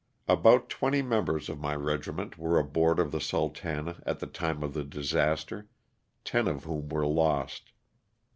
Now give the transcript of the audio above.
About twenty members of my regiment were aboard of the '' Sultana '' at the time of the disaster, ten of whom were lost.